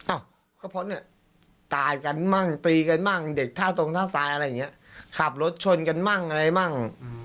อ้าวก็เพราะเนี่ยตายกันมั่งตีกันมั่งเด็กท่าตรงท่าทรายอะไรอย่างเงี้ยขับรถชนกันมั่งอะไรมั่ง